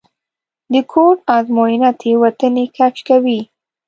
د کوډ ازموینه تېروتنې کشف کوي.